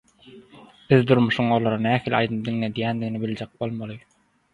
Biz durmuşyň olara nähili aýdym diňledýänini biljek bolmaly.